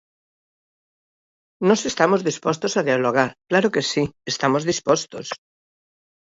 Nós estamos dispostos a dialogar, claro que si, estamos dispostos.